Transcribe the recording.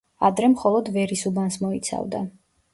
ადრე მხოლოდ ვერის უბანს მოიცავდა.